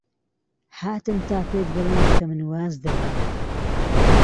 هاتم تا پێت بڵێم کە من واز دەهێنم.